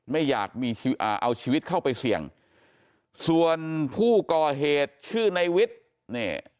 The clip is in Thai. ไม่อยากมีอ่าเอาชีวิตเข้าไปเสี่ยงส่วนผู้ก่อเหตุชื่อในวิทย์เนี่ย